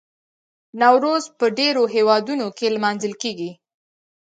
نوروز په ډیرو هیوادونو کې لمانځل کیږي.